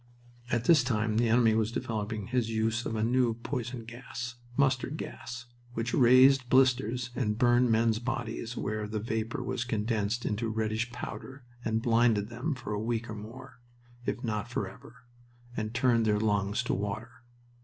At this time the enemy was developing his use of a new poison gas mustard gas which raised blisters and burned men's bodies where the vapor was condensed into a reddish powder and blinded them for a week or more, if not forever, and turned their lungs to water.